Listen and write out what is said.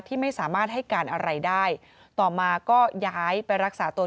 ที่ไม่สามารถให้การอะไรได้ต่อมาก็ย้ายไปรักษาตัว